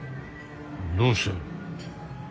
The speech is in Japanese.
どうして？